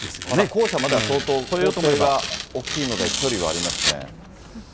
校舎までは相当、校庭が大きいので、結構距離はありますね。